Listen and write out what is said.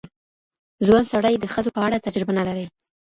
ځوان سړی د ښځو په اړه تجربه نه لري.